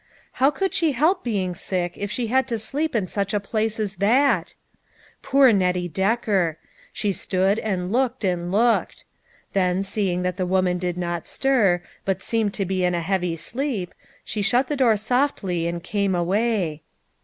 How could she help being sick if she had to sleep in such a place as that ? Poor Nettie Decker ! She stood and looked, and looked. Then seeing that the woman did not stir, but seemed to be in a heavy sleep, she shut the door softly and came away.